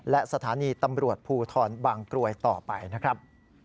และสถานีตำรวจภูทรบางกรวยต่อไปนะครับ